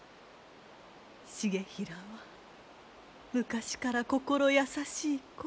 重衡は昔から心優しい子。